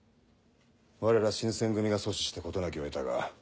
我ら新撰組が阻止して事なきを得たが。